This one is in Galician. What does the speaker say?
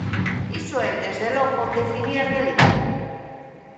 Iso é, desde logo, definir a realidade.